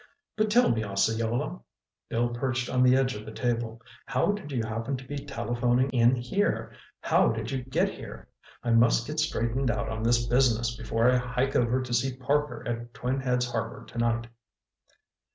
"But tell me, Osceola—" Bill perched on the edge of the table, "how did you happen to be telephoning in here—how did you get here? I must get straightened out on this business before I hike over to see Parker at Twin Heads Harbor tonight."